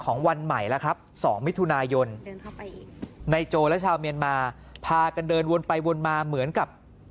วันใหม่แล้วครับ๒มิถุนายนในโจและชาวเมียนมาพากันเดินวนไปวนมาเหมือนกับ